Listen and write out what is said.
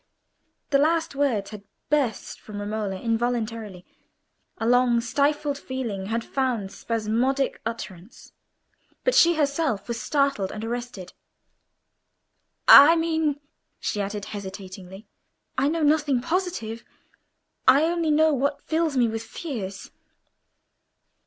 The last words had burst from Romola involuntarily: a long stifled feeling had found spasmodic utterance. But she herself was startled and arrested. "I mean," she added, hesitatingly, "I know nothing positive. I only know what fills me with fears."